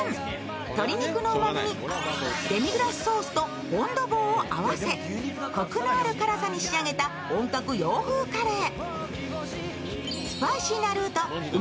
鶏肉のうまみにデミグラスソースとフォンドボーを合わせ、こくのある辛さに仕上げた本格洋風カレー。